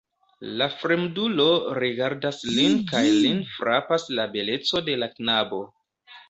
La fremdulo rigardas lin kaj lin frapas la beleco de la knabo.